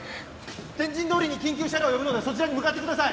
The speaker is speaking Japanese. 天神通りに緊急車両を呼ぶのでそちらに向かってください